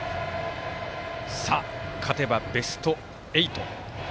勝てばベスト８。